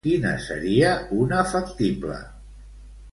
Quina seria una factible?